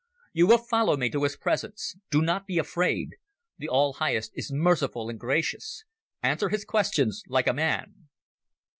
You will follow me to his presence. Do not be afraid. The All Highest is merciful and gracious. Answer his questions like a man."